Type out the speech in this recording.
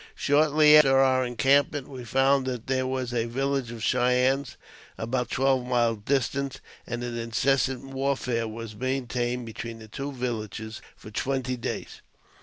Shortly after our encamp^' ment we found there was a village of Cheyennes about twelve miles distant, and an incessant warfare was maintained between the two villages for twenty days.